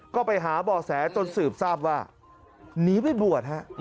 ก็ไปหาบ่อแสจนสืบทราบว่าหนีไปบวชฮะ